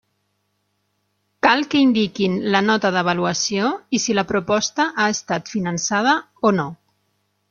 Cal que indiquin la nota d'avaluació i si la proposta ha estat finançada o no.